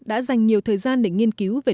đã dành nhiều thời gian để nghiên cứu về